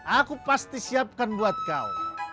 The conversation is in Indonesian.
aku pasti siapkan buat kau